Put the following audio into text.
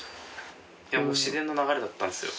自然な流れだったんすよ。